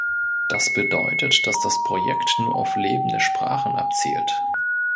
Das bedeutet, dass das Projekt nur auf lebende Sprachen abzielt.